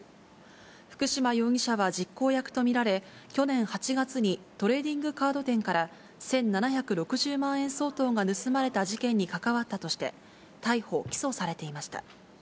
福嶋容疑者は実行役と見られ、去年８月にトレーディングカード店から１７６０万円相当が盗まれた事件に関わったとして逮捕・起訴されていました。